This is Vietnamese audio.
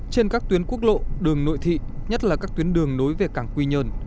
trên các tuyến quốc lộ đường nội thị nhất là các tuyến đường nối về cảng quy nhơn